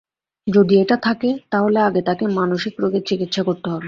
যদি এটা থাকে, তাহলে আগে তাঁকে মানসিক রোগের চিকিৎসা করতে হবে।